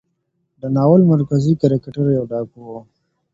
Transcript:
د ناول مرکزي کرکټر يو ډاکو و.